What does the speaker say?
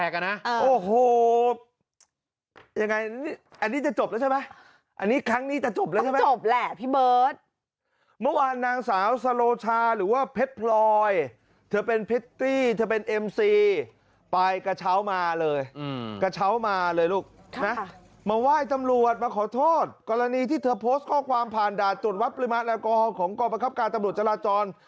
กรณีที่เธอโพสต์ข้อความผ่านด่านจุดวัดปริมาณละกอฮอลของกรประคับการตำรวจจราจร